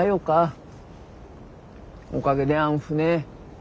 おかげであん船